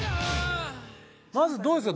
まずどうですか？